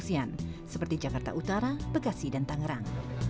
untuk memastikan layanan telkom tetap berjalan normal